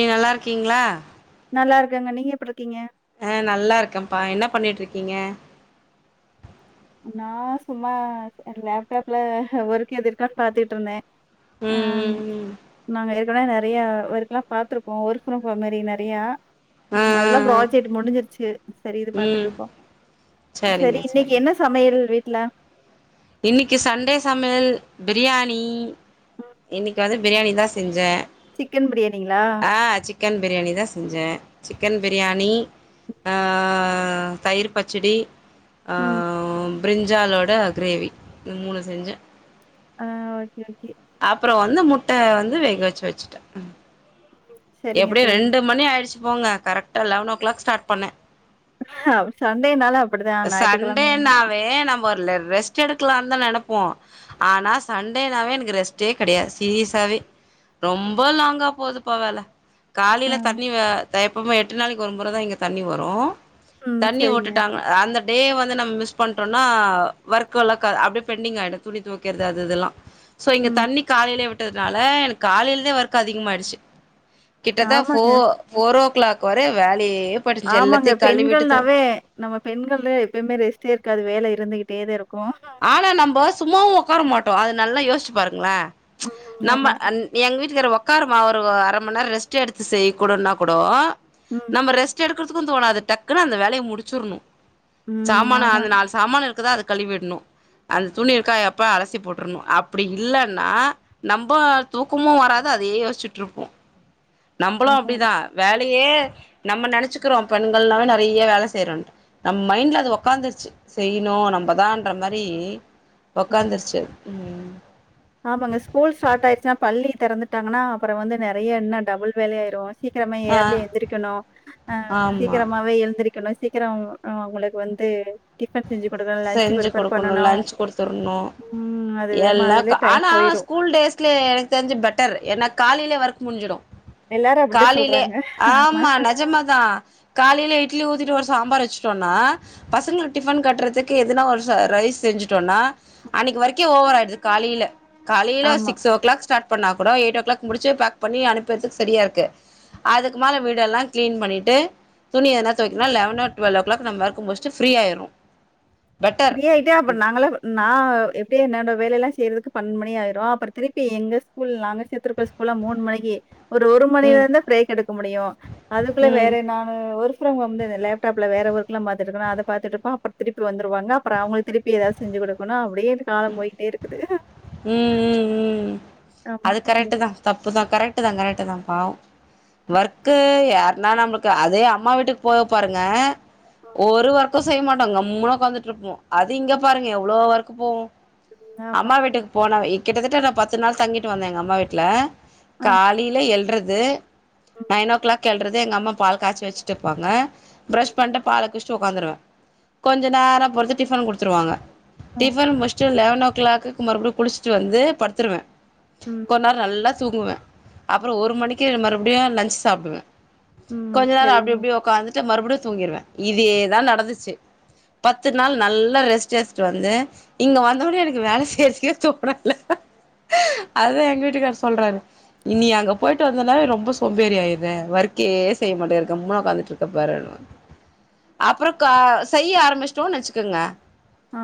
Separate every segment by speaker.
Speaker 1: நீங்க நல்லா இருக்கீங்ளா
Speaker 2: நல்லா இருக்கங்க நீங்க எப்டி இருக்கீங்க
Speaker 1: அ நல்லா இருக்கேன்ப்பா என்ன பண்ணிட் இருக்கீங்க
Speaker 2: நா சும்மா லேப்டாப்ல ஒர்க்கு எதும் இருக்கான்னு பாத்துட்ருந்தே அ
Speaker 1: ம் ம் ம்
Speaker 2: நாங்க ஏற்கனவே நெறையா ஒர்க்குல்லா பாத்ருக்கோ ஒர்க் ப்ரம் ஹோம் மாறி நெறையா நெறைய
Speaker 1: ஆ
Speaker 2: அதெல்லா
Speaker 1: ஆ
Speaker 2: ப்ராஜெக்ட் முடிஞ்சிருச்சு சரி இது
Speaker 1: ம்
Speaker 2: பாத்துட்ருக்கோ
Speaker 1: சரிங்க
Speaker 2: சரி இன்னைக்கு
Speaker 1: சரிங்க
Speaker 2: என்ன சமையல் வீட்ல
Speaker 1: இன்னிக்கு சண்டே சமையல் பிரியாணி இன்னிக்கி வந்து பிரியாணி தா செஞ்சே
Speaker 2: சிக்கன் பிரியாணிங்ளா
Speaker 1: ஆ சிக்கன் பிரியாணி தா செஞ்சே சிக்கன் பிரியாணி அ தயிர் பச்சடி அ
Speaker 2: ம்.
Speaker 1: பிரிஞ்சாலோட கிரேவி இந் மூணு செஞ்சே
Speaker 2: அ ஓகே ஓகே
Speaker 1: அப்புறோ வந்து முட்டை வந்து வேக வச்சு வச்சிட்ட
Speaker 2: சரிங்க
Speaker 1: எப்டியோ
Speaker 2: தோழி.
Speaker 1: ரெண்டு மணி ஆயிடிச்சு போங்க கரக்டா லவனோ க்ளாக் ஸ்டார்ட் பண்ணே
Speaker 2: அ சண்டே நால
Speaker 1: சண்டேனாவே நம்ம ஒரு ரெஸ்ட் எடுக்கலான் தா நெனப்போ ஆனா சண்டேனாவே எனக்கு ரெஸ்ட்டே கெடயாது சீரிஸ்ஸாவே ரொம்ப லாங்கா போதுப்பா வேல
Speaker 2: ஆ
Speaker 1: காலைல தண்ணி வ எப்பவுமே எட்டு நாளைக்கு ஒரு முறை தா இங்க தண்ணி வரும்
Speaker 2: ம்
Speaker 1: தண்ணி
Speaker 2: சரிங்க.
Speaker 1: உட்டுட்டாங்க அந்த டே வந்து நம்ம மிஸ் பண்ட்டோம்னா ஒர்க்கல்லா அப்டியே பெண்டிங் ஆய்டும் துணி துவைக்கறது அது இதெல்லா சோ இங்க
Speaker 2: ம்.
Speaker 1: தண்ணி காலைலே விட்டதுனால எனக்கு காலைல ஒர்க் அதிகமாயிடுச்சு கிட்டத்த போ
Speaker 2: ஆமாங்க
Speaker 1: ஃபோரோ க்ளாக் வரயு வேலயே
Speaker 2: ஆமாங்க பெண்கள் நாவே நம்ம பெண்கள்லு எப்பயுமே ரெஸ்டே இருக்காது வேலை இருந்துகிட்டே தா இருக்கு
Speaker 1: ஆனா நம்போ சும்மாவு ஒக்கார மாட்டோ அது நல்லா யோசிச்சு பாருங்களே
Speaker 2: ம் ஆமா.
Speaker 1: நம்ம நீ எங்க வீட்டுக்காரு ஒக்காருமா ஒரு அரை மண் நேரோ ரெஸ்ட் எடுத்து செய் கூடனா கூடோ
Speaker 2: ம்
Speaker 1: நம்ம ரெஸ்ட் எடுக்கறதுக்கும் தோணாது டக்குன்னு அந்த வேலய முடிச்சிற்ணு
Speaker 2: ம்.
Speaker 1: சாமானம்
Speaker 2: ஆமா,
Speaker 1: அது நாலு சாமானம் இருக்குதா அது கலுவிட்ணும் அந்த துணி இருக்கா எப்பா அலசி போட்ருன்னு அப்டி இல்லன்னா நம்போ தூக்கமு வராது அதயே யோசிச்சுட்டு இருப்போ நம்பளும்
Speaker 2: ஆமா.
Speaker 1: அப்டிதா வேலையே நம்ம நெனைச்சுக்குறோ பெண்கள்னாவே நெறைய வேல செய்யறோன்னு நம்ம மைண்ட்ல அது உக்காந்ருச்சு செய்ணு நம்மதான்ற மாறி றி உக்காந்துருச்சு ம்
Speaker 2: ஆமாங்க ஸ்கூல் ஸ்டார்ட் ஆய்ட்ச்சுன்னா பள்ளி திறந்துட்டாங்கன்னா அப்ரோ வந்து நெறைய இன்னும் டபுள் வேலை ஆயிரும் சீக்கரமே
Speaker 1: ஆ
Speaker 2: ஏர்லி எந்திரிக்கணு அ
Speaker 1: ஆமா
Speaker 2: சீக்ரமாவே எழுந்திரிக் க்கணு சீக்கிரோ அவுங்ளுக்கு வந்து டிஃபன் செஞ்சி குடுப்ப லன்சு
Speaker 1: செஞ்சு
Speaker 2: ப்ரிப்பேர்
Speaker 1: குடுக்கணு
Speaker 2: பண்ணணு
Speaker 1: லன்ச் குடுத்துர்ணு
Speaker 2: ம் அதுவே
Speaker 1: எல்லா
Speaker 2: மதுலு
Speaker 1: ஆனா ஸ்கூல் டேஸ்லே எனக்கு தெரிஞ்சி பெட்டர் ஏனா காலைலே ஒர்க் முட்ஞ்சிடு
Speaker 2: எல்லாரும் அப்படிதான்
Speaker 1: காலைலே
Speaker 2: சொல்றாங்க.
Speaker 1: ஆமா நெஜமாதா காலைல இட்லி ஊத்திட்டு ஒரு சாம்பார் வச்சிட்டோனா பசங்களுக் டிஃபன் கட்றதுக்கு எதுனா ஒரு ச ரைஸ் செஞ்சிட்டோனா அன்னைக்கு ஒர்க்கே ஓவர் ஆயிடுது காலையில காலையில
Speaker 2: ஆமா.
Speaker 1: சிக்ஸ் ஓ கிளாக் ஸ்டாட் பண்ணா கூடோ எயிட் ஓ கிளாக் முடிச்சி பேக் பண்ணி அனுப்பர்துக்கு செரியா இருக்கு அதுக்கு மேல வீடெல்லா க்ளீன் பண்ணிட்டு துணி எதுனா தொவைக்னா eleven or twelve o'clock நம்ம ஒர்க்கு முட்ச்ட்டு ஃப்ரியாய்ரு பெட்ட
Speaker 2: ஃப்ரி ஆய்ட்டு அப்ப நாங்களா நா எப்டியே என்னோட வேலைய எல்லா செய்யறதுக்கு பண்மணி ஆய்ரு அப்றோ திருப்பி எங்க ஸ்கூல் நாங்க சேத்துருக்கோ ஸ்கூல்லா மூண் மணிக்கு ஒரு ஒரு
Speaker 1: ம்
Speaker 2: மணிலர்ந்து பிரேக் எடுக்க முடியு அதுக்குள்ள
Speaker 1: ம்
Speaker 2: வேற நா அ ஒர்க் ஃப்ரம் ஹோம்ந்தே இந்த லேப்டாப்ல வேற ஒர்க்லா பாத்துட்ருக்கனா அத பாத்துட்ருப்பா அப்பர் திருப்பி வந்துருவாங்க அப்ற அவுங்ளுக்கு திருப்பி ஏதாவது செஞ்சி கூடுக்கணு அப்டியே காலோ போய்ட்டே இருக்குது
Speaker 1: ம் ம் ம்
Speaker 2: ஆமா,
Speaker 1: அது கரெக்ட் தா
Speaker 2: அப்படிதான்.
Speaker 1: தப்புதா கரெக்ட் தா கரெக்ட் தா பாவோ ஒர்க்கு யாருனா நம்புளுக்கு அதே அம்மா வீட்டுக்கு போய் பாருங்க ஒரு ஒர்க் தோ செய்ய மாட்டோ கம்முனு ஒக்காந்துட்ருப்போ அது இங்க பாருங்க எவ்ளோ ஒர்க்கு போவு
Speaker 2: ஆமா.
Speaker 1: அம்மா வீட்டுக்கு போனவே கிட்டத் தட்ட நா பத்து நாள் தங்கிட்டு வந்தே எங்க அம்மா வீட்ல
Speaker 2: ஆ,
Speaker 1: காலில எழ்றது
Speaker 2: ம்,
Speaker 1: நைன் ஓ கிளாக் எழ்றது எங்க அம்மா பால் காச்சி வச்சிட்ருப்பாங்க ப்ரஷ் பண்ட்டு பால குட்சிட்டு ஒக்காந்துருவே கொஞ்சோ நேரா பொருத்து டிஃபன் குடுத்துருவாங்க
Speaker 2: ஆ,
Speaker 1: டிஃபன் முட்ச்ட்டு லெவன் ஓ கிளாக்குக்கு மறுபடியு குளிச்ட்டு வந்து படுத்துருவே
Speaker 2: ம்,
Speaker 1: கொன் நேரோ நல்லா தூங்குவே அப்றோ ஒரு மணிக்கு மறுப்டியு லஞ்ச் சாப்டுவே
Speaker 2: ம்.
Speaker 1: கொஞ்ச நேரோ அப்டி
Speaker 2: சரிங்க.
Speaker 1: இப்டி ஒக்காந்துட்டு மறுப்டியு தூங்கிருவே இதேதா நடந்துச்சி பத்து நாள் நல்லா ரெஸ்ட் எட்த்துட்டு வந்தே இங்க வந்தவுனே எனக்கு வேல செய்றதுகே தோணல அதுதா எங்க வீட்டுக்காரு சொல்றாரு நீ அங்க போய்ட்டு வந்தனாவே ரொம்ப சோம்பேறி ஆய்ற ஒர்க்கே செய்ய மாட்டக்ற கம்முன்னு ஒக்காந்துட்ருக்கப் பாரு அப்றோ கா செய்ய ஆரம்பிச்ட்டோன் வச்சிக்குங்க
Speaker 2: ஆ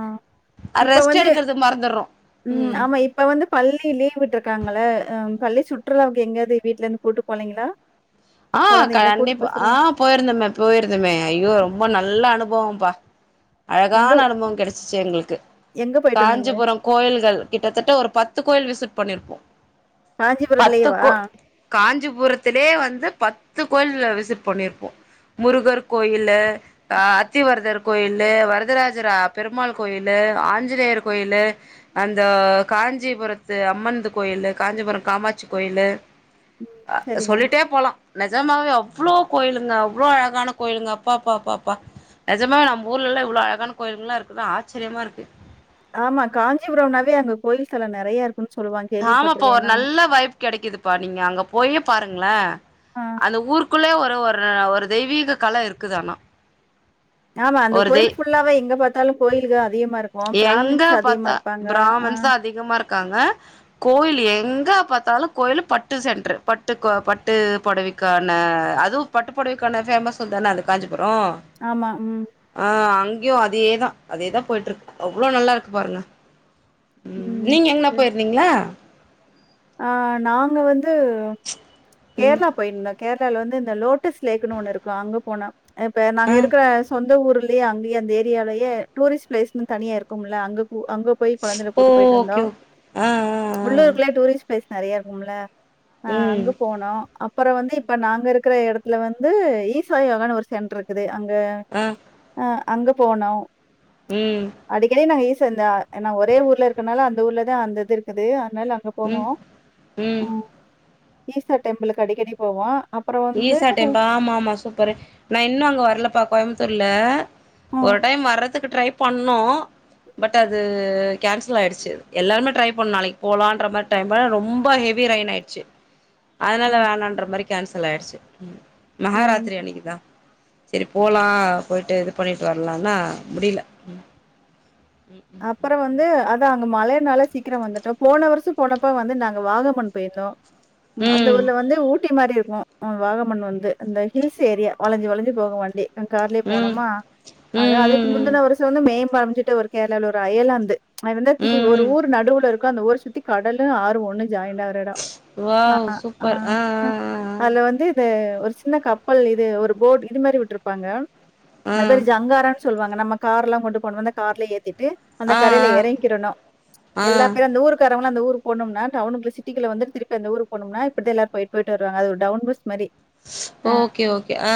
Speaker 2: இப்ப வந்து
Speaker 1: எடுக்கறது மறந்துர்றோ
Speaker 2: ம் ஆமா இப் ப வந்து பள்ளி லீவ் விட்ருக்காங்களே ஆ ம் ள்ளி சுற்றுலாவுக்கு எங்கேயாவது வீட்ல இருந்து கூட்டு போலீங்ளா
Speaker 1: ஆ கண்டிப்பா ஆ போய்ருந்தேமே போய்ருந்தேமே ஐயோ ரொம்ப நல்ல அனுபவோ பா
Speaker 2: எங்க
Speaker 1: அழகான அனுபவோ கெடச்சிச்சி எங்களுக்கு
Speaker 2: எங்க போயிட்டு வந்தீங்க
Speaker 1: காஞ்சிபுரோ கோயில்கள் கிட்டத்தட்ட ஒரு பத்து கோயில் விசிட் பண்ணிருப்போ பத்து
Speaker 2: காஞ்சிபுரத்துலயேவா
Speaker 1: கோ காஞ்சிபுரத்திலே வந்து பத்து கோயில் விசிட் பண்ணிருப்போ முருகர் கோயிலு அ அத்திவரதர் கோயிலு வரதராஜரா பெருமாள் கோயிலு ஆஞ்சிநேயர் கோயிலு அந்த காஞ்சிபுரத்து அம்மன்து கோயிலு காஞ்சிபுரோ காமாட்சி கோயிலு அ
Speaker 2: சரிங்க
Speaker 1: சொல்லிட்டே போலா நெஜமாவே அவ்ளோ கோயிலுங்க அவ்ளோ அழகான கோயிலுங்க அப்பாப்பாப்பா நெஜமாவே நம்ப ஊர்லல்லா இவ்ளோ அழகான கோயில்கள்லா இருக்குது ஆச்சரியமா இருக்கு
Speaker 2: ஆமா காஞ்சிபுரம்னாவே அங்க கோயில் ஸ்தலோ நெறய இருக்குன் சொல்லுவாங்
Speaker 1: ஆமாப்பா
Speaker 2: கேள்விப்பட்டிருக்கே
Speaker 1: ஒரு
Speaker 2: நானு
Speaker 1: நல்ல வைப் கெடைக்குதுப்பா நீங்க அங்க போயே பாருங்ளே
Speaker 2: ஆ
Speaker 1: அந்த ஊருக்குள்ளயே ஒரே ஒரு ட்ற ஒரு தெய்வீக கல இருக்குது ஆனா
Speaker 2: ஆமா அந்த
Speaker 1: ஒரு
Speaker 2: கோயில்
Speaker 1: தெய்
Speaker 2: ஃபுல்லாவே எங்க பாத்தாலு கோயில்கள் அதிகமா இருக்
Speaker 1: எங்க பாத்தா பிராமன்ஸ் தா அதிகமா இருக்காங்க கோயில் எங்க பாத்தாலு கோயில் பட்டு சென்ட்ரு பட்டு கு பட்டு பொடவை க்கான அதுவு பட்டுப்பொடவைக்கான ஃபேமஸ் தா அந்த காஞ்சிபுரோ
Speaker 2: ஆமா உம்
Speaker 1: ஆ அங்கேயு அதேதா அதேதா போயிட்டு இருக்கு அவ்ளோ நல்லா இருக்கு பாருங்க உம்
Speaker 2: ம்
Speaker 1: நீங்க எங்னா
Speaker 2: சரி
Speaker 1: போயிருந்தீங்ளா
Speaker 2: ஆ நாங்க வந்து
Speaker 1: ம்
Speaker 2: கேர்ளா போயிருந்தோ கேரளால வந்து இந்த லோட்டஸ் லேக்னு ஒண்ணு இருக்கு அங்க போனோ இப்ப நாங்க
Speaker 1: ஆ
Speaker 2: இருக்ற சொந்த ஊரு யே அங்கேயே அங்க அந்த ஏரியாலேயே டூரிஸ்ட் பிளேஸ்னு தனியா இருக்கும்ல அங்க கூ அங்க போய் கொழந்தைக்ள
Speaker 1: ஓ
Speaker 2: கூட்டிட்டு போயிட்டு வந்தோ
Speaker 1: ஓகே ஓகே ஆ ஆ ஆ
Speaker 2: உள்ளூருக்குள்ள டூரிஸ் ட் பிளேஸ் நெறைய இருக்கும்ல ஆ
Speaker 1: ம்
Speaker 2: அங்க போனோ அப்றோ வந்து இப்ப நாங்க இருக்கிற எடத்துல வந்து ஈசா யோகான்னு ஒரு சென்ட்ரு இருக்குது அங்க
Speaker 1: ஆ
Speaker 2: ஆ அங்க போனோ
Speaker 1: உம்
Speaker 2: அடிக்கடி நாங்க ஈசா அந்த என்ன ஒரே ஊர்ல இருக்கனால அந்த ஊர்ல தா அந்தது இருக்குது அதனால அங்க போவோ
Speaker 1: உம்
Speaker 2: ஈசா டெம்பிளுக்கு அடிக்கடி போவோ
Speaker 1: ஈசா டெம்ப் ஆமாமா சூப்பரு நா இன்னு அங்க வரல்ப்பா கோயம்புத்தூருல
Speaker 2: ம்,
Speaker 1: ஒரு டைம் வர்றதுக்கு ட்ரை பண்ணோ பட் அது கேன்சல் ஆயிடுச்சு எல்லாமே ட்ரை பண்ணோ நாளைக்கு போலான்ற மாறி டைம் ரொம்ப ஹெவி ரைன் ஆயிச்சு அதனால
Speaker 2: ம்,
Speaker 1: வேணான்ற மாறி கேன்சல் ஆயிடுச்சு
Speaker 2: ம்.
Speaker 1: மகாராத்திரி அன்னைக்குதா சேரி போலா போயிட்டு இது பண்ணிட்டு வர்லான்னா முடில உம் உம் ம்
Speaker 2: அப்றோ வந்து அதா அங்க மழைனால சீக்கிரோ வந்துட்டோ போன வருஷோ போனப்ப வந்து நாங்க வாகமன் போயிருந்தோ உம் அந்த
Speaker 1: ம்
Speaker 2: ஊர்ல வந்து ஊ ட்டி மாறி இருக்கு வாகமன் வந்து அந்த ஹீல்ஸ் ஏரியா வளஞ்சு வளஞ்சு போகூ வண்டி கார்லயே
Speaker 1: ம்
Speaker 2: போனோமா
Speaker 1: ம்
Speaker 2: அத அதுக்கு
Speaker 1: ம் ம்
Speaker 2: முந்தின வருஷோ வந்து மேம்பரச்சுட்டு ஒரு கேர்ளாவுல ஒரு ஐயர்லேந்து அது வந்து தீ
Speaker 1: ம்
Speaker 2: ஒரு
Speaker 1: ம்
Speaker 2: ஊர் நடுவுல இருக்கு அந்த ஊர சுத்தி கடலு ஆறு ஒண்ணு ஜாயின்டா இருக் கு எடோ ஆ
Speaker 1: வாவ்
Speaker 2: ஆ
Speaker 1: சூப்பர்
Speaker 2: அதுல வந்து ஒரு சின்ன கப்பல் இது ஒரு போட் இது மாறி வுட்ருப்பாங்க
Speaker 1: ஆ ஆ
Speaker 2: அது பேரு ஜங்காரனு சொல்லுவாங்க நம்ம கார்லா கொண்டு போனோந்த கார்லே ஏத்திட்டு அந்த
Speaker 1: ஆ ஆ
Speaker 2: கரைல
Speaker 1: ஆ ஆ
Speaker 2: எறங்கிக்கிடணு
Speaker 1: ஆ
Speaker 2: எல்லா பேரு அந்த ஊருக் காரங்ள அந்த ஊரு போனும்னா டவுனுகுள்ள சிட்டிகுள்ள வந்துட்டு திருப்பி அந்த ஊருக்கு போனும்னா இப்டி தா எல்லா போயிட் போயிட்டு வருவாங்க அது டவுன் பஸ் மாறி
Speaker 1: ஓகே ஓகே ஆ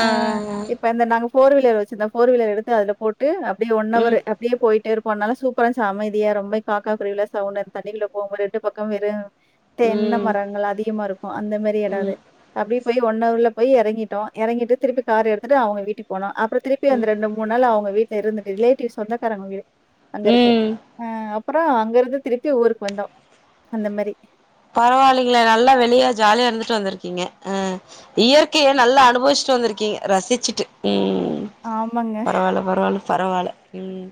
Speaker 1: ஆ
Speaker 2: இப்ப இந்த நாங்க ஃபோர் வீலர் வச்சிருந்தோ ஃபோர் வீலர் எடுத்து அதுல போட்டு அப்டியே ஒன்னா
Speaker 1: ம்
Speaker 2: ஊரு அப்டியே போயிட்டே இருப் போனாலு சூப்பரான்ச்சு அமைதியா ரொம்ப பாக்க கொள்ள சவுண்டா அந்த தண்ணிக்குள்ள போக ரெண்டு பக்கோ வெறு தென்ன
Speaker 1: ம்
Speaker 2: மரங்கள் அதிகமா இருக்கூ அந்த மாறி எடோ அது அப்டியே போய் ஒன்அவர்ல போய் எறங்கிட்டோ எறங்கிட்டு திருப்பி கார் எடுத்துட்டு அவுங்க வீட்டுக்கு போனோ அப்றோ திருப்பி அந்த ரெண்டு மூண் நாள் அவுங்க வீட்ல இருந்துட்டு ரிலேட்டிவ்ஸ் சொந்தக்காரங்க வீடு அங்க இருக்கு
Speaker 1: ம்
Speaker 2: ஆ அப்றோ அங்க இருந்து திருப்பி ஊருக்கு வந்தோ அந்த மாறி
Speaker 1: பரவாயில்லைங்கள நல்லா வெளிய ஜாலியா இருந்துட்டு வந்திருக்கீங்க உம் இயற்கைய நல்லா அனுபவிச்சிட்டு வந்திருக்கீங்க ரசிச்சிட்டு ம்
Speaker 2: ஆமாங்க.
Speaker 1: பரவாயில்ல பரவாயில்ல பரவாயில்ல ம்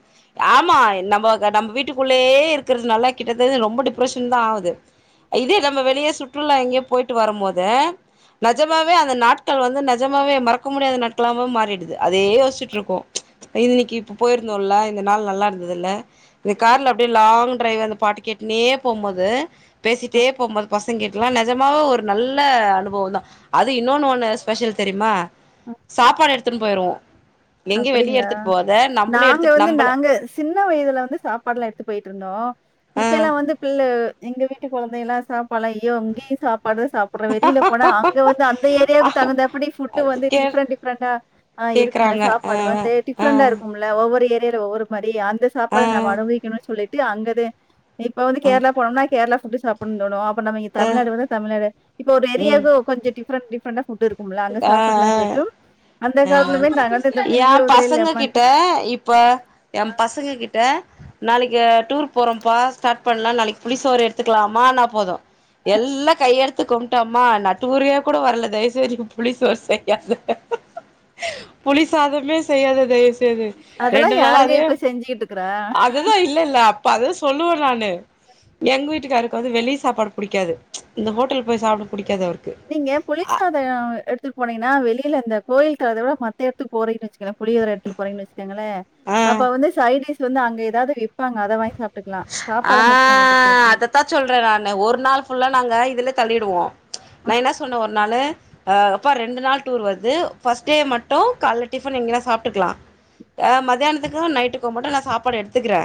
Speaker 1: ஆமா நம்ம நம்ப வீட்டுக்குள்ளயே இருக்கறதுனால கிட்டத்தட்ட ரொம்ப டிப்ரெஷன் தா ஆவுது இதே நம்ம வெளிய சுற்றுலா எங்கையே போயிட்டு வரும் போது நெஜமாவே அந்த நாட்கள் வந்து நெஜமாவே மறக்க முடியாத நாட்கள்லாவும் மாறிடுது அதே யோசிச்சிட்டு இருக்கோ இது இன்னிக்கி இப்ப போயிருந்தோம்ல இந்த நாள் நல்லா இருந்தது இல்ல இந்த கார்ல அப்டியே லாங் ட்ரைவ் வந்து பாட்டு கேட்டுக்கினே போம்போது பேசிட் அப்டியே போம் போது பசங்க கிட்டலா நெஜமாவு ஒரு நல்ல அனுபவம் தா அது இன்னொன்னு ஒண்ணு ஸ்பெஷல் தெரியுமா சாப்பாடு எடுத்துன்னு போயிருவோ எங்கயு வெளிய
Speaker 2: அப்டிங்களா
Speaker 1: எடுத்துட்டு போவாத நம்பளே
Speaker 2: நாங்க
Speaker 1: எடுத்துட்டு
Speaker 2: வந்து
Speaker 1: நம்பள
Speaker 2: நாங்க சின்ன வயதுல வந்து சாப்பாடுலா எடுத்து போயிட்டு இருந்தோம் இப்ப
Speaker 1: ஆ
Speaker 2: எல்லாம் வந்து பிள்ள எங்க வீட்டு கொழந்தைகள் எல்லாம் சாப்பாடுலா ஐயோ இங்கியும் சாப்பாடு சாப் அப்புறம் வெளியில போனா அங்க வந்து அந்த ஏரியாவுக்கு தகுந்தாப்புடி ஃபுட்டு
Speaker 1: அது
Speaker 2: வந்து
Speaker 1: கே
Speaker 2: டிஃபரன்ட் டிஃபரன்ட்டா ஆ இருக்கும்ல்ல
Speaker 1: கேக்குறாங்க
Speaker 2: சாப்
Speaker 1: ஆ
Speaker 2: பாடு வந்து
Speaker 1: ஆ
Speaker 2: டிஃபரன்டா இருக்கும்ல்ல ஒவ்வொரு ஏரியாவுல ஒவ்வொரு மாரி அந்த
Speaker 1: ஆ
Speaker 2: சாப்பாடு நம்ம அனுபவிக்கணு சொல்லிட்டு அங்கத இப்ப வந்து கேரளா போனம்னா கேரளா ஃபுட் சாப் குந்தானும் அப்ப நம்ம தமிழ்நாடு வந்து தமிழ்நாடு இப்ப ஒரு
Speaker 1: ம்
Speaker 2: ஏரியாவுக்கு கொஞ்ச டிஃபரன்ட் டிஃபரன்ட்டா ஃபுட் இருக் கும்ல அந்த
Speaker 1: ஆ
Speaker 2: சாப்படலா
Speaker 1: ஆ
Speaker 2: சொட்டும் அந்த காலத்துல போய் நாங்க வந்து இந்த
Speaker 1: ஏன்
Speaker 2: புளியோதரை,
Speaker 1: பசங்க
Speaker 2: லெமன்
Speaker 1: கிட்ட இப்ப
Speaker 2: ரைஸ்
Speaker 1: என் பசங்க கிட்ட நாளைக்கி டூர் போறோம்பா ஸ்டார்ட் பண்ணலாம் நாளைக்கி புளிசோறு எடுத்துக்கலாமானா போதும் எல்லா கையெடுத்து கும்புட்டு அம்மா நா டூர்க்கே கூட வரல தயவுசெய்து புளி சோறு செய்யாத புளி சாதமே செய்யாத தயவுசெய்து ரெண்டு
Speaker 2: அதெல்லாம்
Speaker 1: நாள்
Speaker 2: யாருங்க
Speaker 1: அதே
Speaker 2: இப்ப செஞ்சுகிட்டு இருக்கிறா?
Speaker 1: அதுதா இல்ல இல்ல அப்ப அததா சொல்லுவே நானு எங்க வீட்டுக்காருக்கு வந்து வெளி சாப்பாடு புடிக்காது இந்த ஹோட்டல் போய் சாப்பட புடிக்காது அவருக்
Speaker 2: நீங்க புளி சாதம் எடுத்துட்டு போனீங்கனா வெளியில இந்த கோயில் தவர மத்த எடத்துக்கு போறீன்னு வச்சிக்கலே புளியோதரை எடுத்துட்டு போறீங்கன்னு வச்சிக்காங்களே அப்ப
Speaker 1: ஆ
Speaker 2: வந்து சைடிஸ் வந்து அங்க ஏதாது விப் ப்பாங்க அத வாங்கி சாப்புட்டுக்கலா
Speaker 1: ஆ
Speaker 2: சாப்பாடு மட்டும் நம்ம எடுத்துட்டு போயி
Speaker 1: அதத்தா சொல்றே நானு ஒரு நாள் ஃபுல்லா நாங்க இதுல தள்ளிடுவோம் நா
Speaker 2: ம்,
Speaker 1: என்ன சொன்னேன் ஒரு நாளு ஆ அப்பா ரெண்டு நாள் டூர் வருது ஃபர்ஸ்ட் டே மட்டும் கால டிஃபன் இங்கனே சாப்ட்டுக்கலா அ மதியானத்துக்கு நைட்டுக்கு மட்டும் நா சாப்பாடு எடுத்துக்கிறே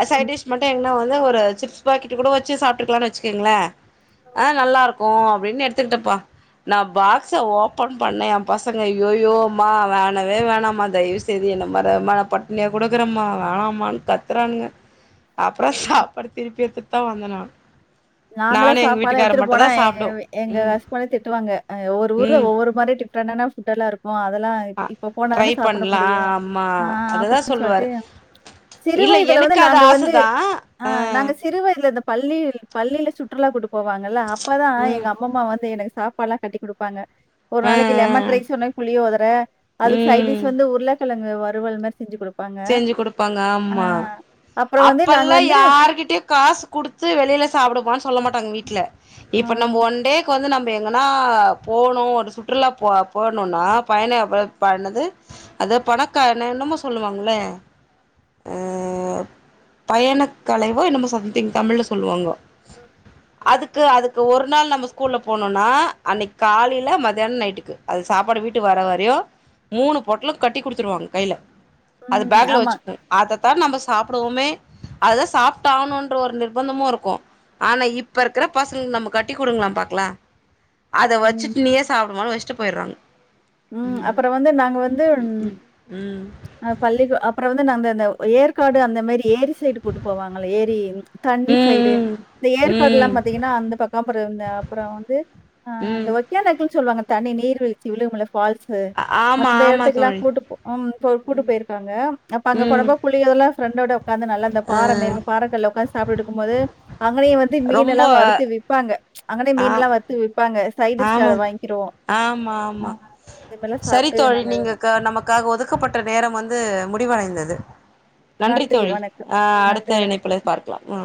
Speaker 1: அ சைடு
Speaker 2: ம்.
Speaker 1: டிஷ் மட்டும் எங்கனா வந்து ஒரு சிப்ஸ் பாக்கெட் கூட வச்சி சாப்புட்டுக்கலான்னு வச்சிக்கோங்கள ஆ நல்லா இருக்கும் அப்டின்னு எடுத்துக்கிட்டப்பா நா பாக்ஸ்ச ஓப்பன் பண்ணே என் பசங்க ஜய்யோயோ அம்மா வேணவே வேணமா தயவுசெ ய்து என்ன மர மா நா பட்டினியா இருக்குறேம்மா வேணாம்மான்னு கத்துறானுங்க அப்புற சாப்பாடு திருப்பி எடுத்துட்டு தா வந்தே நானு
Speaker 2: நாங்களா
Speaker 1: நானு எங்க
Speaker 2: சாப்பாடுலா
Speaker 1: வீட்டுக்கார
Speaker 2: எடுத்துட்டு போனா
Speaker 1: மட்டுந்தா
Speaker 2: எங்க
Speaker 1: சாப்டுவோ
Speaker 2: எங்க
Speaker 1: ம்
Speaker 2: ஹஸ்பண்ட் திட்டுவாங்க ஒவ்வொரு ஊர்ல
Speaker 1: ம்
Speaker 2: ஒவ்வொரு இந்த மாரி டிஃபரன்ட்டானா ஃபுட் எல்லா இருக்கும் அதெல்லா
Speaker 1: அ
Speaker 2: இப்போ
Speaker 1: ட்ரை
Speaker 2: போனாதானே சாப்பிட
Speaker 1: பண்லா
Speaker 2: முடியும்
Speaker 1: ஆமா
Speaker 2: ஆ
Speaker 1: அததா
Speaker 2: அப்டின்னு சொல்லிட்டு
Speaker 1: சொல்லுவாரு
Speaker 2: சிறு
Speaker 1: இல்ல
Speaker 2: வயதுல வந்து
Speaker 1: எனக்கு அது
Speaker 2: நாங்க வந்து
Speaker 1: ஆசதா
Speaker 2: ஆ நாங்க சி சிறு வயதுல இந்த பள்ளி பள்ளியில சுற்றுலா கூட்டிட்டு போவாங்கல்ல அப்பதா
Speaker 1: ம்
Speaker 2: எங்க அம்மம்மா வந்து எனக்கு சாப்ப ப்பால்லாம் கட்டி் குடுப்பாங்க ஒரு
Speaker 1: ஆ
Speaker 2: நாளைக்கி லெமன்
Speaker 1: ஆ
Speaker 2: ரைஸ் ஒரு நாளைக்கி புளியோதர அதுக்கு சைடிஸ்
Speaker 1: ம்
Speaker 2: வந்து உருளக்கெழங் வருவல் மாரி செஞ்சி குடுப்
Speaker 1: செஞ்சி குடுப்பாங்க ஆமா
Speaker 2: அப்புறம் வந்து நாங்க
Speaker 1: அப்பெல்லா
Speaker 2: வந்து
Speaker 1: யார் கிட்டேயும் காசு குடுத்து வெளியில சாப்பிடப்பானு சொல்ல மாட்டாங்க வீட்ல
Speaker 2: ஆ
Speaker 1: இப்ப நம்ம ஒன் டேக்கு வந்து நம்ம எங்கனா போணு ஒரு சுற்றுலா போ போணுன்னா பையன பனது அத பணக்க என்ன என்னமோ சொல்லுவாங்களே அ பயணக்கலைவோ என்னமோ சம்திங் தமிழ்ல சொல்லுவாங்க அதுக்கு அதுக் ஒரு நாள் நம்ம ஸ்கூல்ல போனோனா அன்னைக்கு காலையில மத்தியானோ நைட்டுக்கு அது சாப்பாடு வீட்டுக்கு வர வரையு மூணு பொட்டலோ கட்டி குடுத்துருவாங்க கையில அது
Speaker 2: ம்
Speaker 1: பேக்ல
Speaker 2: ஆமா.
Speaker 1: வச்சுக்கு அதத்தா நம்ம சாப்பிடுவோமே அததா சாப்ட் ஆவுணுன்ற ஒரு நிர்பந்தமு இருக்கு ஆனா இப்ப இருக்குற பசங்களு நம்ம கட்டி் குடுங்களா பாக்கலா அத
Speaker 2: ம்,
Speaker 1: வச்சிட்டு நீயே சாப்பிடுமா வச்சுட்டு போயிடுறாங்க
Speaker 2: ம் அப்றோ வந்து நாங்க வந்து ம்
Speaker 1: ம்
Speaker 2: அ பள்ளி அப்றோ வந்து நா அந்த ஏற்காடு அந்த மாரி ஏரி சைடு கூப்டு போவாங்கள ஏரி தண்ணி சைடு
Speaker 1: ம்
Speaker 2: இந்த ஏற்காடு எல்லா
Speaker 1: ம்
Speaker 2: பாத்தீங்கன்னா அந்த பக்கோ அப்றோ வந்து அ இந்த
Speaker 1: ம்
Speaker 2: ஒக்கேனிக்கள்னு சொல்லுவாங்க தண்ணி நீர் வீழ்ச்சி விழுகு இல்ல பால்ஸ்ஸு
Speaker 1: ஆமா
Speaker 2: அந்த
Speaker 1: ஆமா
Speaker 2: எடத்துக்கெல்லா
Speaker 1: தோழி
Speaker 2: கூட்டு ம் இப்போ கூட்டு போயிருக்காங்க அப்ப
Speaker 1: ம்
Speaker 2: அங்கபோனப்ப குளியலெல்லா ஃபிரெண்டோட உட்காந்து நல்ல அந்த பார மேரி இரு பார கல்ல உடக்காந்து சாப்பிட்டு இருக்கு போது அவுங்கலே வந்து
Speaker 1: ரொம்ப
Speaker 2: மீன்னெல்லா வறுத்து விறப்பாங்க அங்கனே
Speaker 1: ஆ
Speaker 2: மீன் எல்லா வறுத்து விப்பாங்க சைடிஸ்க்கு அத
Speaker 1: ஆமாங்
Speaker 2: வாங்கிக்கிறோவோ ம்
Speaker 1: சரித்தோழி நீங்க நமக்காக ஒதுக்கப்பட்ட நேரம் வந்து முடிவடைந்தது நன்றி தோழி
Speaker 2: வணக்கம்.
Speaker 1: ஆ
Speaker 2: ம் நன்றி
Speaker 1: அடுத்த
Speaker 2: வணக்கம்.
Speaker 1: இணைப்புல பார்க்கலா